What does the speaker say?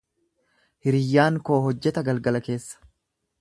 Hiriyyaan koo hojjeta galgala keessa.